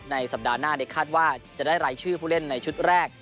สัปดาห์หน้าคาดว่าจะได้รายชื่อผู้เล่นในชุดแรก